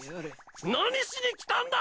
何しに来たんだ！